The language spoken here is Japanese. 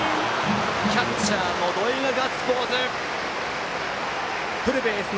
キャッチャーの土肥がガッツポーズ。